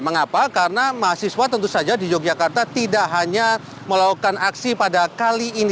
mengapa karena mahasiswa tentu saja di yogyakarta tidak hanya melakukan aksi pada kali ini